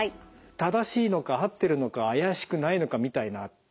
正しいのか合ってるのか怪しくないのかみたいなって